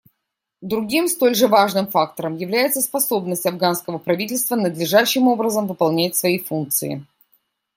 Другим столь же важным фактором является способность афганского правительства надлежащим образом выполнять свои функции.